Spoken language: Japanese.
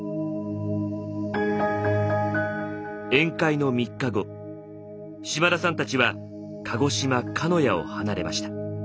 宴会の３日後島田さんたちは鹿児島・鹿屋を離れました。